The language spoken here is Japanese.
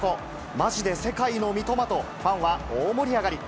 まじで世界の三笘と、ファンは大盛り上がり。